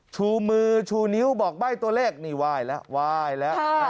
ชูมือชูนิ้วบอกใบ้ตัวเลขนี่ไหว้แล้วไหว้แล้ว